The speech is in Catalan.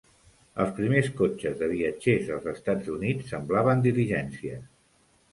Els primers cotxes de viatgers als Estats Units semblaven diligències.